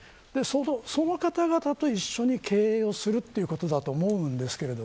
その方々と一緒に経営をするということだと思うんですけど